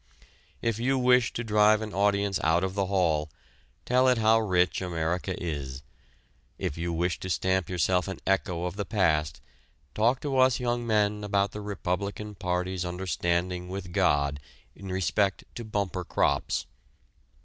If you wish to drive an audience out of the hall tell it how rich America is; if you wish to stamp yourself an echo of the past talk to us young men about the Republican Party's understanding with God in respect to bumper crops.